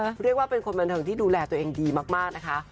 เขาเรียกว่าเป็นคนบันเทิงที่ดูแลตัวเองดีมากนะคะ